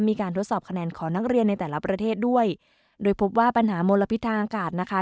มีการทดสอบคะแนนของนักเรียนในแต่ละประเทศด้วยโดยพบว่าปัญหามลพิษทางอากาศนะคะ